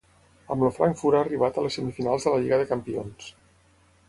Amb el Frankfurt ha arribat a les semifinals de la Lliga de Campions.